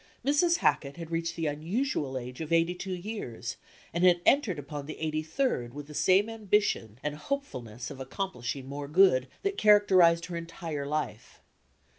Mrs. Hackett had reached the unusual age of 82 years and had entered upon the 83d with the same ambition and hopefulness of accomplishing more good, that characterized her entire life.